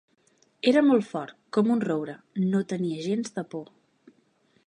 Era molt fort, com un roure, no tenia gens de por.